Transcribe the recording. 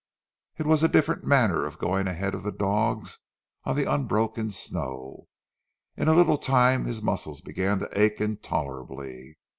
It was a different matter going ahead of the dogs on the unbroken snow. In a little time his muscles began to ache intolerably.